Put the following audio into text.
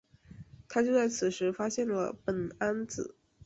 他就在此时发现了苯胺紫。